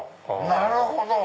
なるほど！